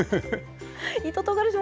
糸とうがらし